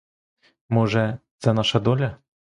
Може, це наша доля?